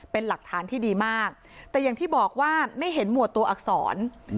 เป็นหลักฐานที่ดีมากแต่อย่างที่บอกว่าไม่เห็นหมวดตัวอักษร